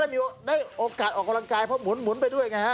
มีโอกาสได้โอกาสออกกำลังกายเพราะหมุนไปด้วยไงฮะ